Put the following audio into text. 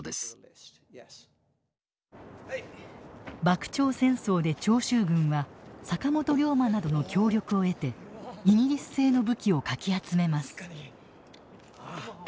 幕長戦争で長州軍は坂本龍馬などの協力を得てイギリス製の武器をかき集めます。